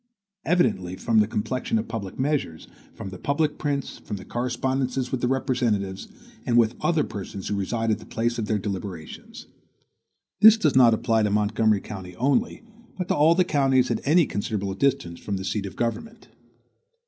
Evidently from the complexion of public measures, from the public prints, from correspondences with their representatives, and with other persons who reside at the place of their deliberations. This does not apply to Montgomery County only, but to all the counties at any considerable distance from the seat of government.